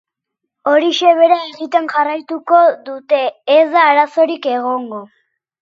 Horixe bera egiten jarraituko dute, ez da arazorik egongo.